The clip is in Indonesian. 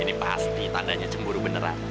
ini pasti tandanya cemburu beneran